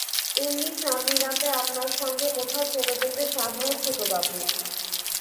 এমনি চাঁদনি রাতে আপনার সঙ্গে কোথাও চলে যেতে সাধ হয় ছোটবাবু।